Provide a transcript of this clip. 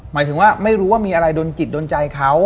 หมายถึงว่าไม่รู้ว่ามีอะไรโดนจิตโดนใจเขา